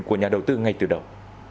của nhà đầu tư ngay từ đầu